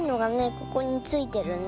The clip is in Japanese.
ここについてるね。